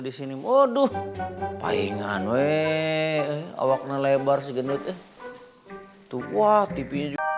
begini moduh pahingan weh awak ngelebar segendut tuh tv